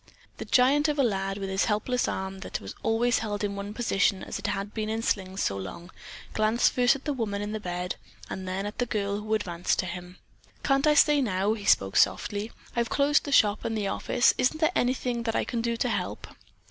The giant of a lad, with his helpless arm that was always held in one position as it had been in slings so long ago, glanced first at the woman in the bed, and then at the girl who advanced to him. "Can't I stay now?" he spoke softly. "I've closed the shop and the office. Isn't there anything that I can do to help?"